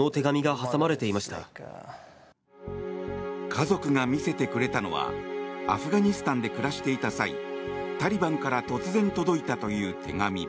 家族が見せてくれたのはアフガニスタンで暮らしていた際タリバンから突然届いたという手紙。